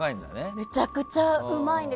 めちゃくちゃうまいんです。